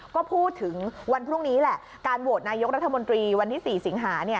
ก็พูดถึงวันพรุ่งนี้แหละการโหวตนายกรัฐมนตรีวันที่๔สิงหาเนี่ย